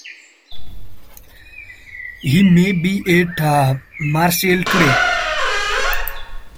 He may be at Marseille today.